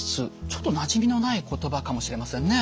ちょっとなじみのない言葉かもしれませんね。